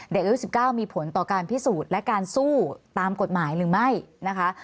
เด็กอายุ๑๙มีผลต่อการพิสูจน์และการสู้ตามกฎหมายหรือไม่นะคะ